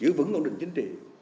giữ vững ổn định chính trị